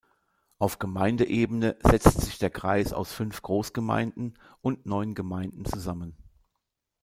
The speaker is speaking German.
Auf Gemeindeebene setzt sich der Kreis aus fünf Großgemeinden und neun Gemeinden zusammen.